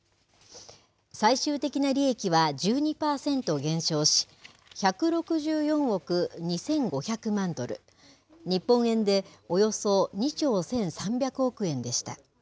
最終的な利益は１２％減少し、１６４億２５００万ドル、日本円でおよそ２兆１３００億円でした。